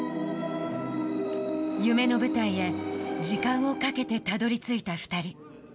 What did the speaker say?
夢の舞台へ時間をかけて、たどりついた２人。